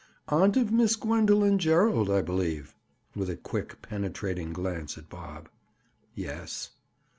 "Aunt of Miss Gwendoline Gerald, I believe?" With a quick penetrating glance at Bob. "Yes."